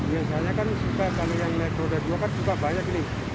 biasanya kan kita yang naik roda juga kan juga banyak nih